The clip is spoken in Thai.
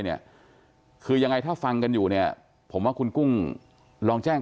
เนี่ยคือยังไงถ้าฟังกันอยู่เนี่ยผมว่าคุณกุ้งลองแจ้ง